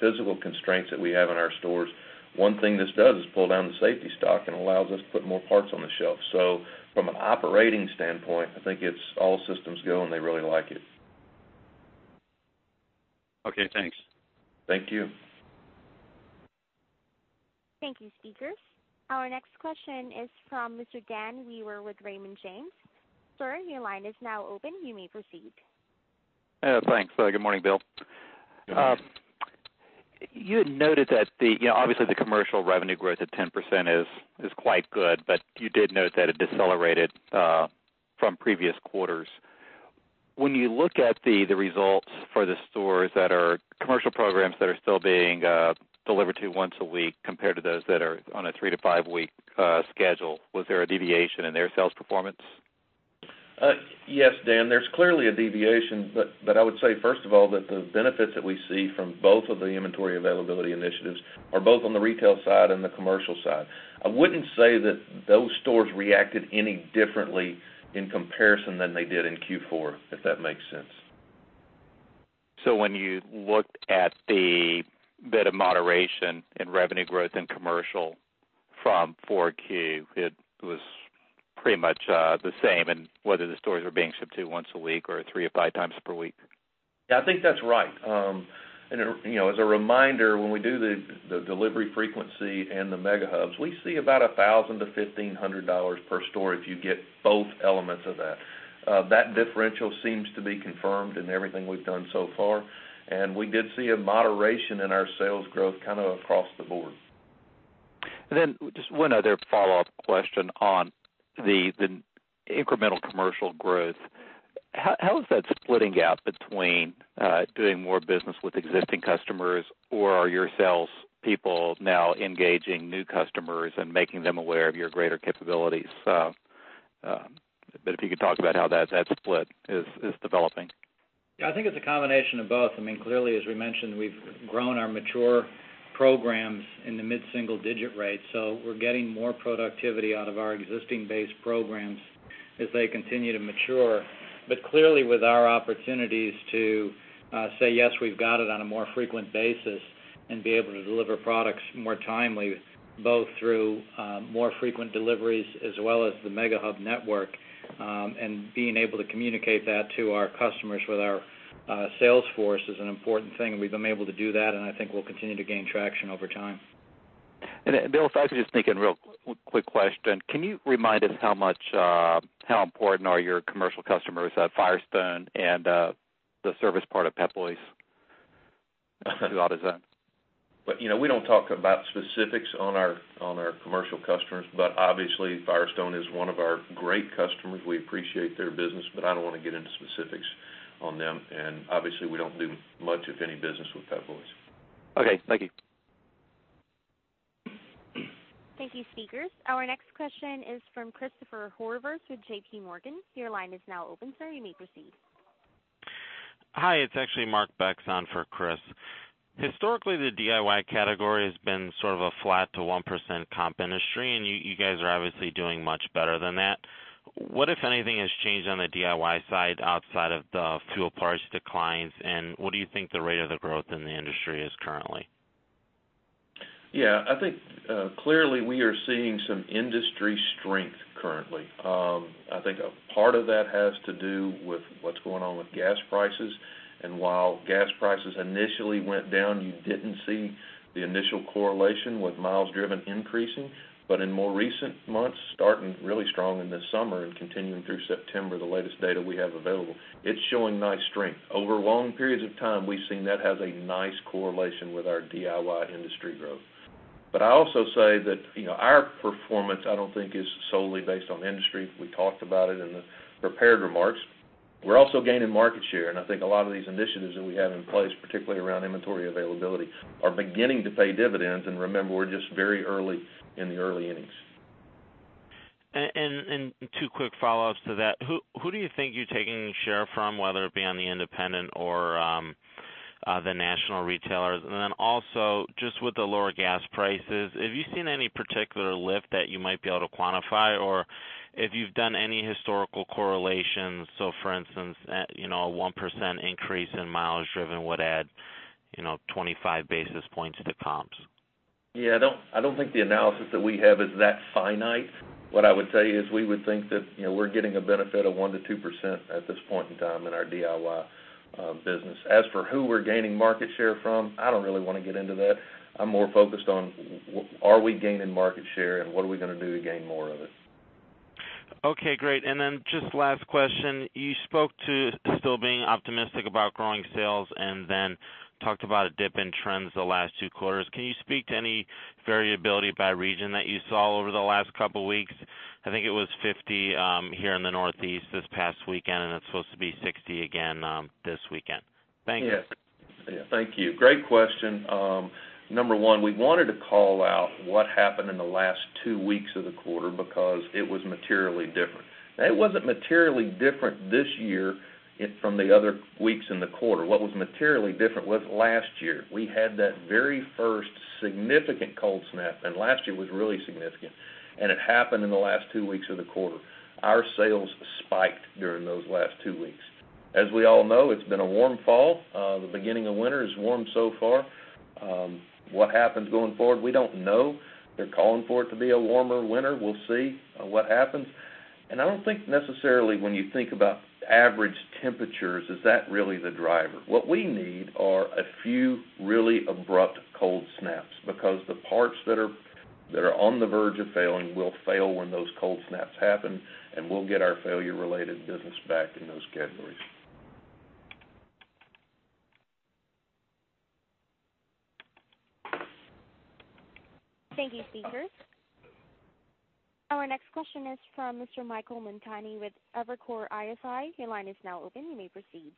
physical constraints that we have in our stores. One thing this does is pull down the safety stock and allows us to put more parts on the shelf. From an operating standpoint, I think it's all systems go and they really like it. Okay, thanks. Thank you. Thank you, speakers. Our next question is from Mr. Dan Wewer with Raymond James. Sir, your line is now open. You may proceed. Thanks. Good morning, Bill. Good morning. You had noted that obviously the commercial revenue growth at 10% is quite good, but you did note that it decelerated from previous quarters. When you look at the results for the stores that are commercial programs that are still being delivered to once a week compared to those that are on a three-to-five-week schedule, was there a deviation in their sales performance? Yes, Dan, there's clearly a deviation. I would say, first of all, that the benefits that we see from both of the inventory availability initiatives are both on the retail side and the commercial side. I wouldn't say that those stores reacted any differently in comparison than they did in Q4, if that makes sense. When you looked at the bit of moderation in revenue growth in commercial from 4Q, it was pretty much the same in whether the stores were being shipped to once a week or three to five times per week. Yeah, I think that's right. As a reminder, when we do the delivery frequency and the Mega Hubs, we see about $1,000 to $1,500 per store if you get both elements of that. That differential seems to be confirmed in everything we've done so far, and we did see a moderation in our sales growth kind of across the board. Just one other follow-up question on the incremental commercial growth. How is that splitting out between doing more business with existing customers or are your salespeople now engaging new customers and making them aware of your greater capabilities? If you could talk about how that split is developing. Yeah, I think it's a combination of both. Clearly, as we mentioned, we've grown our mature programs in the mid-single digit rates. We're getting more productivity out of our existing base programs as they continue to mature. Clearly, with our opportunities to say, "Yes, we've got it on a more frequent basis and be able to deliver products more timely," both through more frequent deliveries as well as the Mega Hub network, and being able to communicate that to our customers with our sales force is an important thing and we've been able to do that, and I think we'll continue to gain traction over time. Bill, if I could just sneak in real quick question. Can you remind us how important are your commercial customers at Firestone and the service part of Pep Boys to AutoZone? We don't talk about specifics on our commercial customers. Obviously Firestone is one of our great customers. We appreciate their business. I don't want to get into specifics on them. Obviously we don't do much, if any, business with Pep Boys. Okay. Thank you. Thank you, speakers. Our next question is from Christopher Horvers with J.P. Morgan. Your line is now open, sir. You may proceed. Hi, it's actually Mark Becks on for Chris. Historically, the DIY category has been sort of a flat to 1% comp industry, you guys are obviously doing much better than that. What, if anything, has changed on the DIY side outside of the fuel parts declines, and what do you think the rate of the growth in the industry is currently? Yeah, I think clearly we are seeing some industry strength currently. I think a part of that has to do with what's going on with gas prices. While gas prices initially went down, you didn't see the initial correlation with miles driven increasing. In more recent months, starting really strong in the summer and continuing through September, the latest data we have available, it's showing nice strength. Over long periods of time, we've seen that has a nice correlation with our DIY industry growth. I also say that our performance, I don't think is solely based on industry. We talked about it in the prepared remarks. We're also gaining market share, I think a lot of these initiatives that we have in place, particularly around inventory availability, are beginning to pay dividends. Remember, we're just very early in the early innings. Two quick follow-ups to that. Who do you think you're taking share from, whether it be on the independent or the national retailers? Then also just with the lower gas prices, have you seen any particular lift that you might be able to quantify or if you've done any historical correlations? For instance, a 1% increase in miles driven would add 25 basis points to the comps. Yeah, I don't think the analysis that we have is that finite. What I would tell you is we would think that we're getting a benefit of 1%-2% at this point in time in our DIY business. As for who we're gaining market share from, I don't really want to get into that. I'm more focused on are we gaining market share and what are we going to do to gain more of it. Okay, great. Just last question. You spoke to still being optimistic about growing sales and then talked about a dip in trends the last two quarters. Can you speak to any variability by region that you saw over the last couple weeks? I think it was 50 here in the Northeast this past weekend, and it's supposed to be 60 again this weekend. Thanks. Thank you. Great question. Number one, we wanted to call out what happened in the last two weeks of the quarter because it was materially different. It wasn't materially different this year from the other weeks in the quarter. What was materially different was last year. We had that very first significant cold snap, and last year was really significant, and it happened in the last two weeks of the quarter. Our sales spiked during those last two weeks. We all know, it's been a warm fall. The beginning of winter is warm so far. What happens going forward? We don't know. They're calling for it to be a warmer winter. We'll see what happens. I don't think necessarily when you think about average temperatures, is that really the driver? What we need are a few really abrupt cold snaps because the parts that are on the verge of failing will fail when those cold snaps happen, and we'll get our failure-related business back in those categories. Thank you, speakers. Our next question is from Mr. Michael Montani with Evercore ISI. Your line is now open. You may proceed.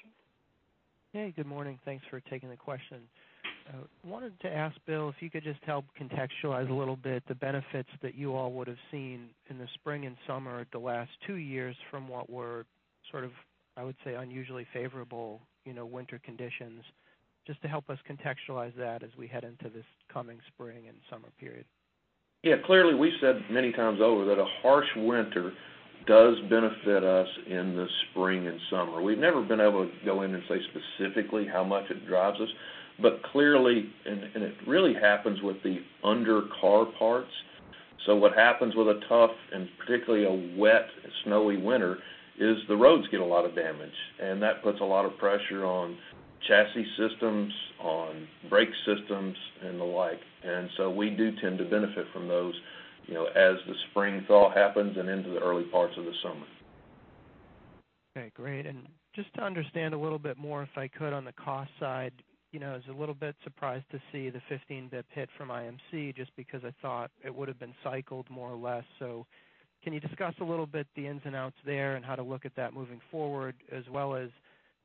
Hey. Good morning. Thanks for taking the question. I wanted to ask Bill if you could just help contextualize a little bit the benefits that you all would've seen in the spring and summer the last two years from what were sort of, I would say, unusually favorable winter conditions. Just to help us contextualize that as we head into this coming spring and summer period. Yeah. Clearly, we've said many times over that a harsh winter does benefit us in the spring and summer. We've never been able to go in and say specifically how much it drives us. Clearly, and it really happens with the under car parts. What happens with a tough and particularly a wet, snowy winter is the roads get a lot of damage, and that puts a lot of pressure on chassis systems, on brake systems, and the like. We do tend to benefit from those as the spring thaw happens and into the early parts of the summer. Okay, great. Just to understand a little bit more, if I could, on the cost side. I was a little bit surprised to see the 15 basis points hit from IMC just because I thought it would've been cycled more or less. Can you discuss a little bit the ins and outs there and how to look at that moving forward as well as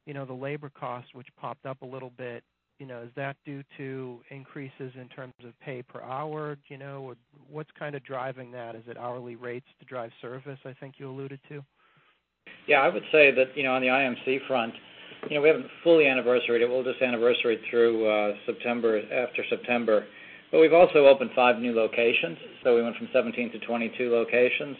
the labor costs, which popped up a little bit. Is that due to increases in terms of pay per hour? Do you know? What's kind of driving that? Is it hourly rates to drive service, I think you alluded to? Yeah, I would say that on the IMC front, we haven't fully anniversaried. It will just anniversary through September, after September. We've also opened five new locations. We went from 17 to 22 locations.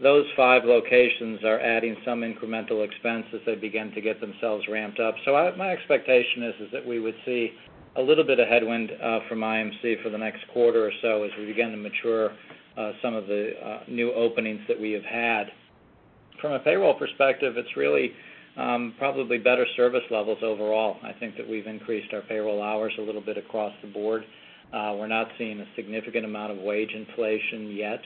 Those five locations are adding some incremental expense as they begin to get themselves ramped up. My expectation is that we would see a little bit of headwind from IMC for the next quarter or so as we begin to mature some of the new openings that we have had. From a payroll perspective, it's really probably better service levels overall. I think that we've increased our payroll hours a little bit across the board. We're not seeing a significant amount of wage inflation yet.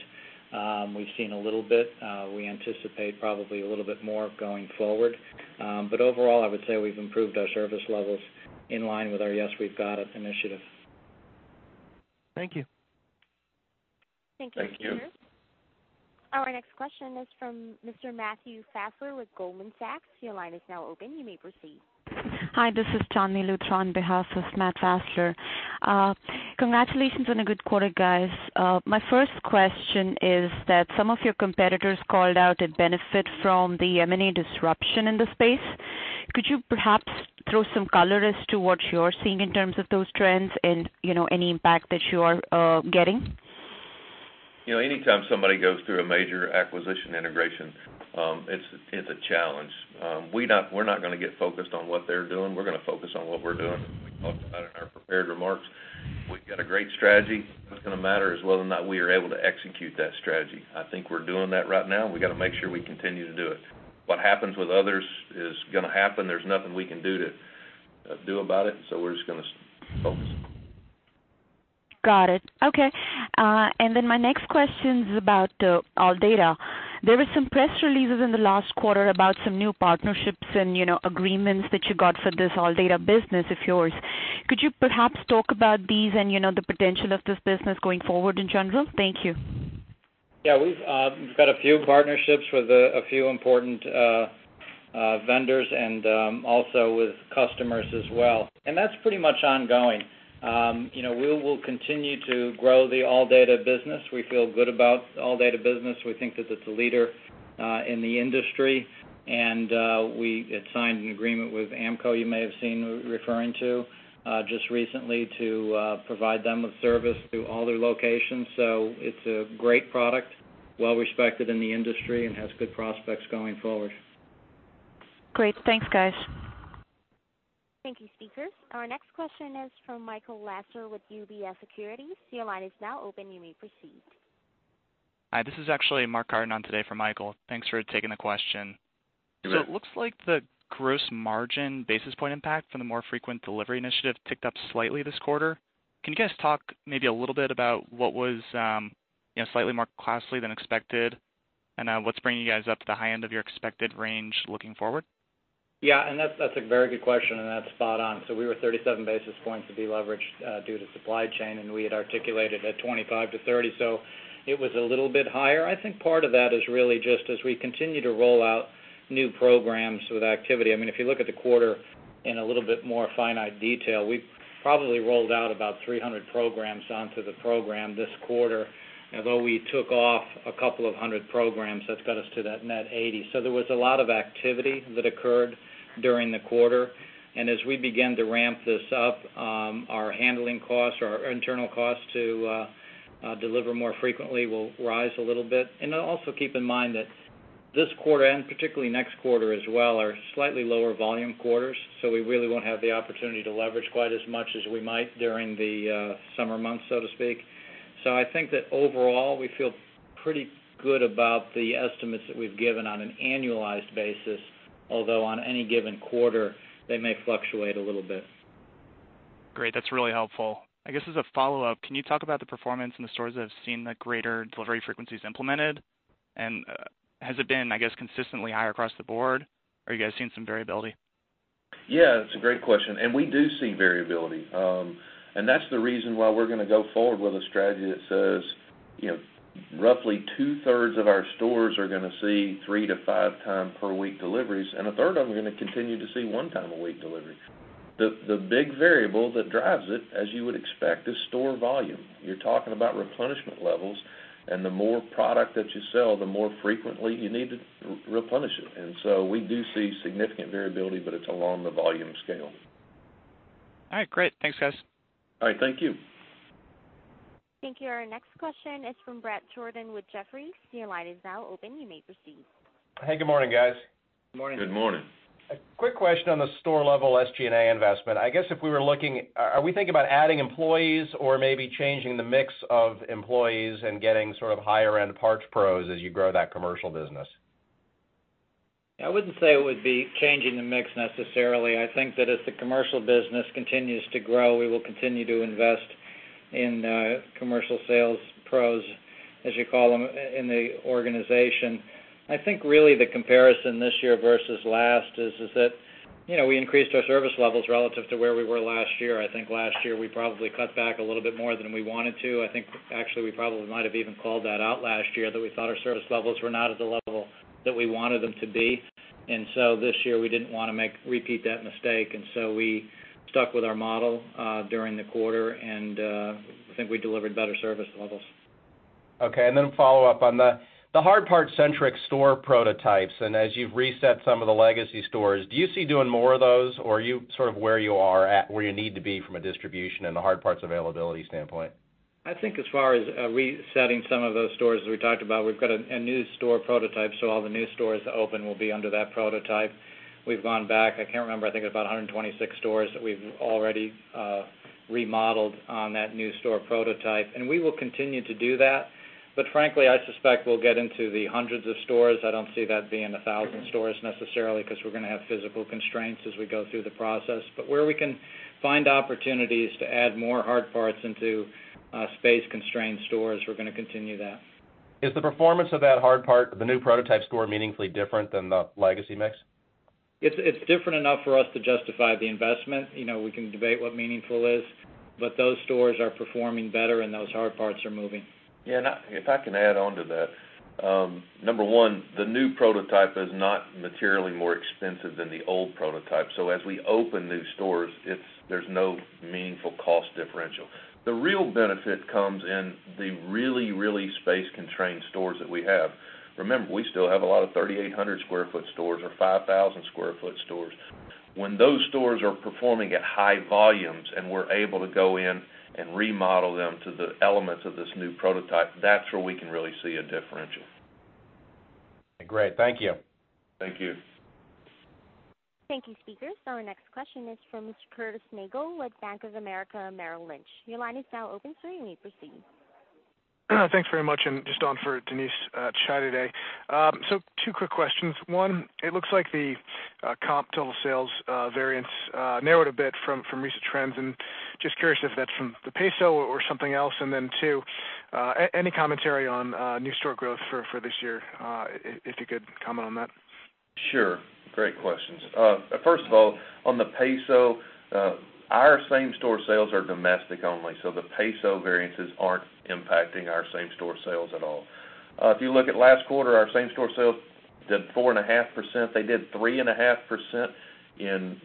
We've seen a little bit. We anticipate probably a little bit more going forward. Overall, I would say we've improved our service levels in line with our Yes, we've got it initiative. Thank you. Thank you. Thank you. Our next question is from Mr. Matthew Fassler with Goldman Sachs. Your line is now open. You may proceed. Hi, this is Chandni Luthra on behalf of Matt Fasser. Congratulations on a good quarter, guys. My first question is that some of your competitors called out a benefit from the M&A disruption in the space. Could you perhaps throw some color as to what you're seeing in terms of those trends and any impact that you are getting? Anytime somebody goes through a major acquisition integration, it's a challenge. We're not gonna get focused on what they're doing. We're gonna focus on what we're doing. As we talked about in our prepared remarks, we've got a great strategy. What's gonna matter is whether or not we are able to execute that strategy. I think we're doing that right now, and we got to make sure we continue to do it. What happens with others is gonna happen. There's nothing we can do about it, so we're just gonna focus. Got it. Okay. My next question's about ALLDATA. There were some press releases in the last quarter about some new partnerships and agreements that you got for this ALLDATA business of yours. Could you perhaps talk about these and the potential of this business going forward in general? Thank you. Yeah, we've got a few partnerships with a few important vendors and also with customers as well, and that's pretty much ongoing. We will continue to grow the ALLDATA business. We feel good about the ALLDATA business. We think that it's a leader in the industry, and we had signed an agreement with AAMCO, you may have seen referring to, just recently to provide them with service through all their locations. It's a great product, well respected in the industry and has good prospects going forward. Great. Thanks, guys. Thank you, speakers. Our next question is from Michael Lasser with UBS Securities. Your line is now open. You may proceed. Hi, this is actually Mark Carden on today for Michael. Thanks for taking the question. You bet. It looks like the gross margin basis point impact from the more frequent delivery initiative ticked up slightly this quarter. Can you guys talk maybe a little bit about what was slightly more costly than expected and what's bringing you guys up to the high end of your expected range looking forward? That's a very good question, and that's spot on. We were 37 basis points de-leveraged due to supply chain, and we had articulated at 25-30, it was a little bit higher. I think part of that is really just as we continue to roll out new programs with activity. If you look at the quarter in a little bit more finite detail, we probably rolled out about 300 programs onto the program this quarter, although we took off a couple of hundred programs, that got us to that net 80. There was a lot of activity that occurred during the quarter, and as we begin to ramp this up, our handling costs, our internal costs to deliver more frequently will rise a little bit. Also keep in mind that this quarter and particularly next quarter as well, are slightly lower volume quarters, we really won't have the opportunity to leverage quite as much as we might during the summer months, so to speak. I think that overall, we feel pretty good about the estimates that we've given on an annualized basis, although on any given quarter, they may fluctuate a little bit. Great. That's really helpful. I guess as a follow-up, can you talk about the performance in the stores that have seen the greater delivery frequencies implemented? Has it been, I guess, consistently higher across the board? Are you guys seeing some variability? Yeah, that's a great question. We do see variability. That's the reason why we're going to go forward with a strategy that says, roughly two-thirds of our stores are going to see three to five times per week deliveries, and a third of them are going to continue to see one time a week delivery. The big variable that drives it, as you would expect, is store volume. You're talking about replenishment levels and the more product that you sell, the more frequently you need to replenish it. We do see significant variability, but it's along the volume scale. All right, great. Thanks, guys. All right, thank you. Thank you. Our next question is from Bret Jordan with Jefferies. Your line is now open. You may proceed. Hey, good morning, guys. Morning. Good morning. A quick question on the store level SG&A investment. I guess if we were looking, are we thinking about adding employees or maybe changing the mix of employees and getting sort of higher-end parts pros as you grow that commercial business? I wouldn't say it would be changing the mix necessarily. I think that as the commercial business continues to grow, we will continue to invest in commercial sales pros, as you call them, in the organization. I think really the comparison this year versus last is that we increased our service levels relative to where we were last year. I think last year we probably cut back a little bit more than we wanted to. I think actually we probably might have even called that out last year, that we thought our service levels were not at the level that we wanted them to be. So this year, we didn't want to repeat that mistake, and so we stuck with our model during the quarter, and I think we delivered better service levels. Okay, follow up on the hard part-centric store prototypes. As you've reset some of the legacy stores, do you see doing more of those or are you sort of where you are at where you need to be from a distribution and a hard parts availability standpoint? I think as far as resetting some of those stores, as we talked about, we've got a new store prototype, so all the new stores that open will be under that prototype. We've gone back, I can't remember, I think it's about 126 stores that we've already remodeled on that new store prototype. We will continue to do that. Frankly, I suspect we'll get into the hundreds of stores. I don't see that being 1,000 stores necessarily because we're going to have physical constraints as we go through the process. Where we can find opportunities to add more hard parts into space-constrained stores, we're going to continue that. Is the performance of that hard part, the new prototype store, meaningfully different than the legacy mix? It's different enough for us to justify the investment. We can debate what meaningful is, but those stores are performing better and those hard parts are moving. Yeah, if I can add on to that. Number 1, the new prototype is not materially more expensive than the old prototype. As we open new stores, there's no meaningful cost differential. The real benefit comes in the really, really space-constrained stores that we have. Remember, we still have a lot of 3,800 sq ft stores or 5,000 sq ft stores. When those stores are performing at high volumes and we're able to go in and remodel them to the elements of this new prototype, that's where we can really see a differential. Great. Thank you. Thank you. Thank you, speakers. Our next question is from Curtis Nagle with Bank of America Merrill Lynch. Your line is now open, sir. You may proceed. Thanks very much. Just on for Denise today. Two quick questions. One, it looks like the comp total sales variance narrowed a bit from recent trends. Just curious if that's from the peso or something else. Two, any commentary on new store growth for this year, if you could comment on that? Sure. Great questions. First of all, on the peso, our same store sales are domestic only. The peso variances aren't impacting our same store sales at all. If you look at last quarter, our same store sales did 4.5%. They did 3.5% in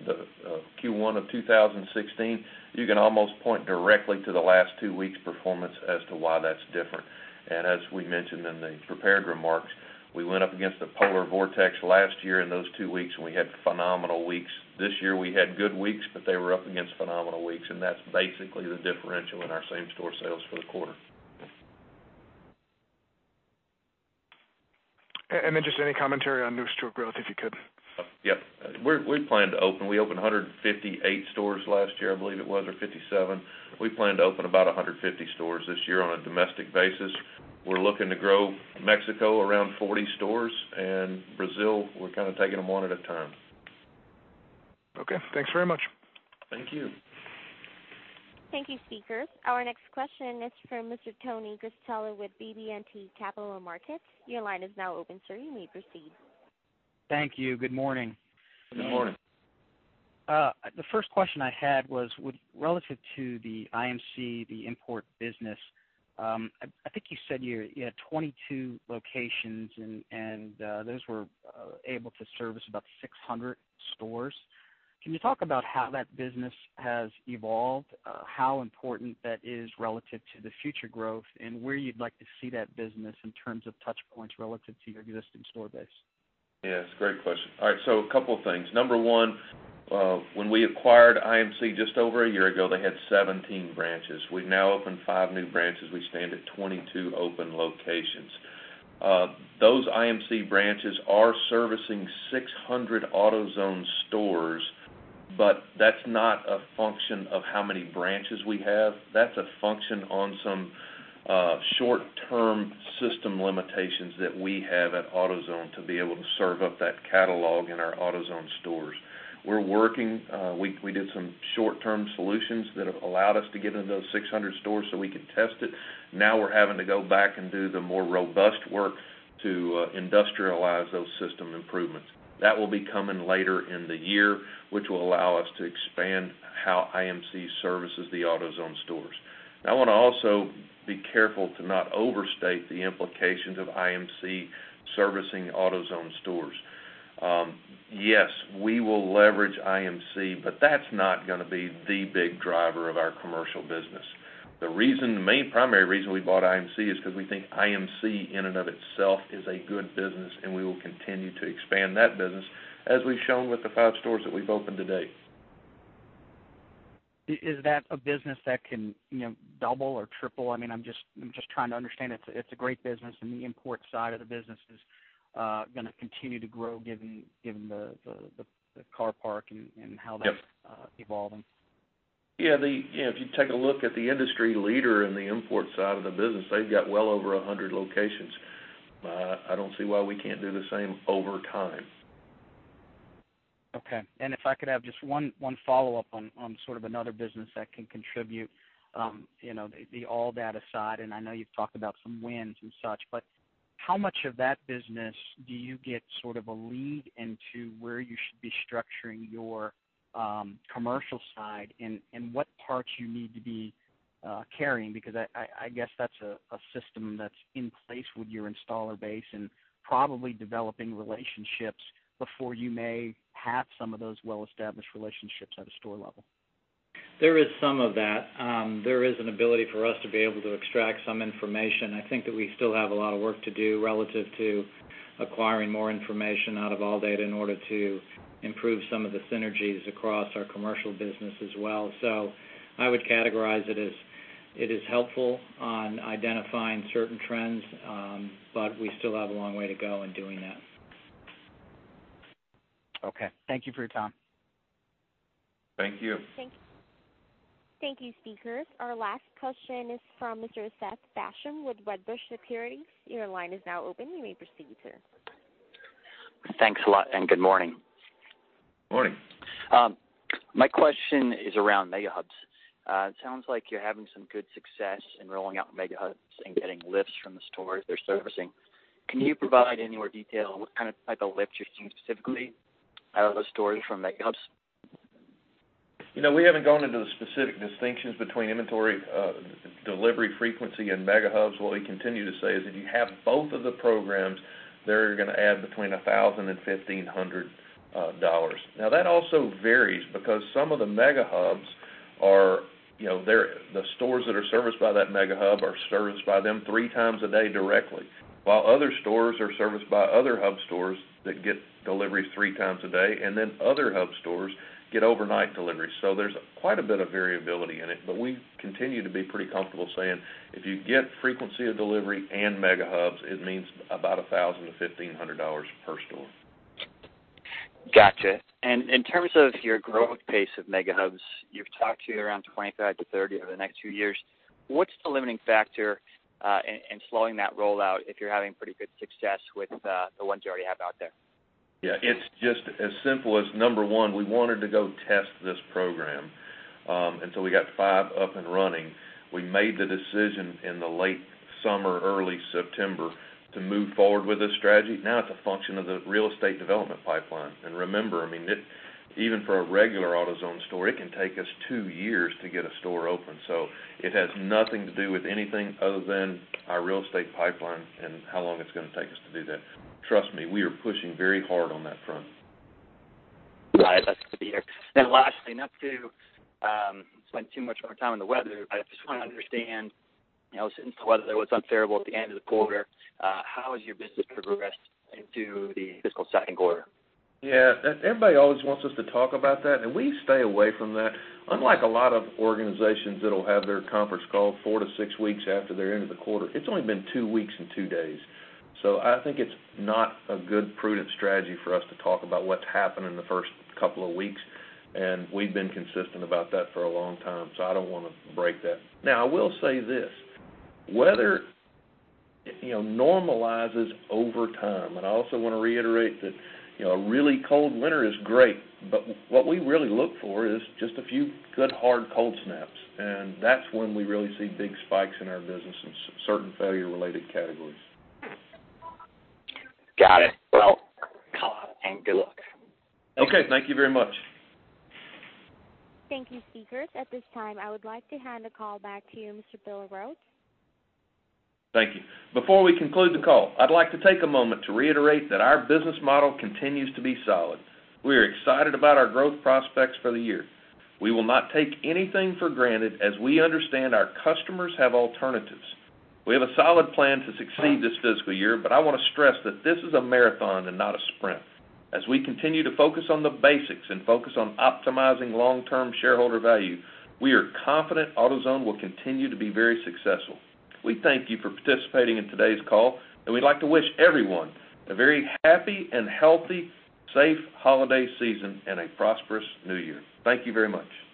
Q1 of 2016. You can almost point directly to the last two weeks' performance as to why that's different. As we mentioned in the prepared remarks, we went up against the polar vortex last year in those two weeks. We had phenomenal weeks. This year we had good weeks, but they were up against phenomenal weeks. That's basically the differential in our same store sales for the quarter. Just any commentary on new store growth, if you could. Yep. We opened 158 stores last year, I believe it was, or 57. We plan to open about 150 stores this year on a domestic basis. We're looking to grow Mexico around 40 stores, and Brazil, we're kind of taking them one at a time. Okay, thanks very much. Thank you. Thank you, speakers. Our next question is from Mr. Anthony Cristello with BB&T Capital Markets. Your line is now open, sir. You may proceed. Thank you. Good morning. Good morning. The first question I had was relative to the IMC, the import business. I think you said you had 22 locations, and those were able to service about 600 stores. Can you talk about how that business has evolved, how important that is relative to the future growth, and where you'd like to see that business in terms of touchpoints relative to your existing store base? Yes, great question. All right, a couple things. Number one, when we acquired IMC just over a year ago, they had 17 branches. We've now opened five new branches. We stand at 22 open locations. Those IMC branches are servicing 600 AutoZone stores, but that's not a function of how many branches we have. That's a function on some short-term system limitations that we have at AutoZone to be able to serve up that catalog in our AutoZone stores. We did some short-term solutions that have allowed us to get into those 600 stores so we could test it. Now we're having to go back and do the more robust work to industrialize those system improvements. That will be coming later in the year, which will allow us to expand how IMC services the AutoZone stores. I want to also be careful to not overstate the implications of IMC servicing AutoZone stores. Yes, we will leverage IMC, but that's not going to be the big driver of our commercial business. The main primary reason we bought IMC is because we think IMC in and of itself is a good business, and we will continue to expand that business, as we've shown with the five stores that we've opened to date. Is that a business that can double or triple? I'm just trying to understand. It's a great business, and the import side of the business is going to continue to grow given the car park and how that's evolving. Yeah. If you take a look at the industry leader in the import side of the business, they've got well over 100 locations. I don't see why we can't do the same over time. Okay. If I could have just one follow-up on sort of another business that can contribute. The ALLDATA side, and I know you've talked about some wins and such, but how much of that business do you get sort of a lead into where you should be structuring your commercial side and what parts you need to be carrying? Because I guess that's a system that's in place with your installer base and probably developing relationships before you may have some of those well-established relationships at a store level. There is some of that. There is an ability for us to be able to extract some information. I think that we still have a lot of work to do relative to acquiring more information out of ALLDATA in order to improve some of the synergies across our commercial business as well. I would categorize it as it is helpful on identifying certain trends, but we still have a long way to go in doing that. Okay. Thank you for your time. Thank you. Thank you, speakers. Our last question is from Mr. Seth Basham with Wedbush Securities. Your line is now open. You may proceed, sir. Thanks a lot. Good morning. Morning. My question is around Mega Hubs. It sounds like you're having some good success in rolling out Mega Hubs and getting lifts from the stores they're servicing. Can you provide any more detail on what type of lift you're seeing specifically out of those stores from Mega Hubs? We haven't gone into the specific distinctions between inventory delivery frequency and Mega Hubs. What we continue to say is if you have both of the programs, they're going to add between $1,000-$1,500. That also varies because some of the Mega Hubs, the stores that are serviced by that Mega Hub are serviced by them three times a day directly, while other stores are serviced by other Hub stores that get deliveries three times a day, then other Hub stores get overnight deliveries. There's quite a bit of variability in it, but we continue to be pretty comfortable saying if you get frequency of delivery and Mega Hubs, it means about $1,000-$1,500 per store. Gotcha. In terms of your growth pace of Mega Hubs, you've talked to around 25-30 over the next two years. What's the limiting factor in slowing that rollout if you're having pretty good success with the ones you already have out there? Yeah, it's just as simple as number one, we wanted to go test this program until we got five up and running. We made the decision in the late summer, early September to move forward with this strategy. It's a function of the real estate development pipeline. Remember, even for a regular AutoZone store, it can take us two years to get a store open. It has nothing to do with anything other than our real estate pipeline and how long it's going to take us to do that. Trust me, we are pushing very hard on that front. Got it. That's good to hear. Lastly, not to spend too much more time on the weather, I just want to understand since the weather was unfavorable at the end of the quarter, how has your business progressed into the fiscal second quarter? Yeah. Everybody always wants us to talk about that, and we stay away from that. Unlike a lot of organizations that'll have their conference call four to six weeks after their end of the quarter, it's only been two weeks and two days. I think it's not a good prudent strategy for us to talk about what's happened in the first couple of weeks, and we've been consistent about that for a long time. I don't want to break that. I will say this, weather normalizes over time. I also want to reiterate that a really cold winter is great, but what we really look for is just a few good hard cold snaps, and that's when we really see big spikes in our business in certain failure-related categories. Got it. Well, good call and good luck. Okay. Thank you very much. Thank you, speakers. At this time, I would like to hand the call back to you, Mr. Bill Rhodes. Thank you. Before we conclude the call, I'd like to take a moment to reiterate that our business model continues to be solid. We are excited about our growth prospects for the year. We will not take anything for granted as we understand our customers have alternatives. We have a solid plan to succeed this fiscal year, but I want to stress that this is a marathon and not a sprint. As we continue to focus on the basics and focus on optimizing long-term shareholder value, we are confident AutoZone will continue to be very successful. We thank you for participating in today's call, and we'd like to wish everyone a very happy and healthy, safe holiday season and a prosperous new year. Thank you very much.